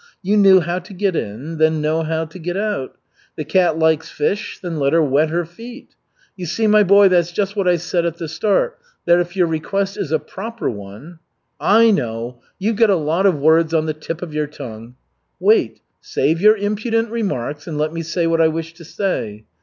You knew how to get in, then know how to get out. The cat likes fish, then let her wet her feet. You see, my boy, that's just what I said at the start, that if your request is a proper one " "I know. You've got a lot of words on the tip of your tongue." "Wait, save your impudent remarks, and let me say what I wish to say.